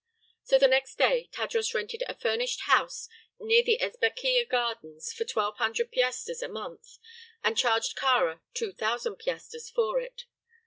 So the next day Tadros rented a furnished house near the Ezbekieh Gardens for twelve hundred piastres a month, and charged Kāra two thousand piastres for it.